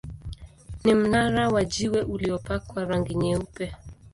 Ni mnara wa jiwe uliopakwa rangi nyeupe.